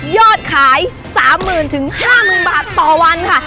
ยอดขาย๓๐๐๐๕๐๐๐บาทต่อวันค่ะ